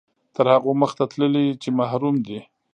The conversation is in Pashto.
تر هغو مخته تللي چې محروم دي.